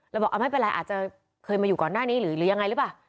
แล้วบอกไม่เป็นไรอาจจะเคยมาอยู่ก่อนหน้านี้หรือยังไงหรือเปล่า